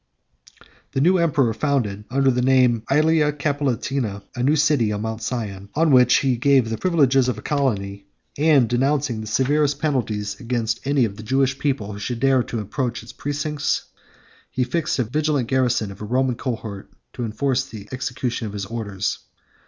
The emperor founded, under the name of Ælia Capitolina, a new city on Mount Sion, 20 to which he gave the privileges of a colony; and denouncing the severest penalties against any of the Jewish people who should dare to approach its precincts, he fixed a vigilant garrison of a Roman cohort to enforce the execution of his orders.